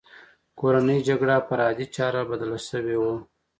کورنۍ جګړه پر عادي چاره بدله شوې وه